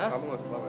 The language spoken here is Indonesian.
kamu gak usah bawa